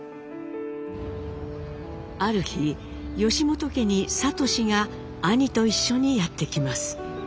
ある日本家に智が兄と一緒にやってきます。